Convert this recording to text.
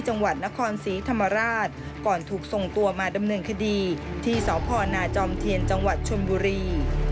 จังหวัดนครศรีธรรมราชก่อนถูกส่งตัวมาดำเนินคดีที่สพนาจอมเทียนจังหวัดชนบุรี